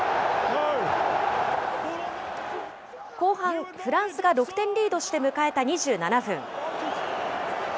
後半、フランスが６点リードして迎えた２７分。